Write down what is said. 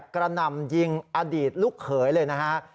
กระนำยิงอดีตลูกเขยเลยนะครับ